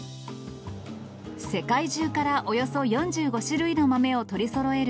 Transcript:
世界中からおよそ４５種類の豆を取りそろえる